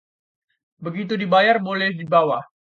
begitu dibayar, boleh dibawa